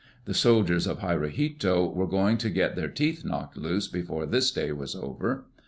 The soldiers of Hirohito were going to get their teeth knocked loose before this day was over!